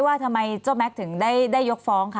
ว่าทำไมเจ้าแม็กซ์ถึงได้ยกฟ้องค่ะ